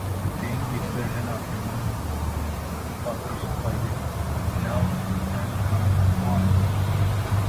The English version of the manhua was published by the now-defunct ComicsOne.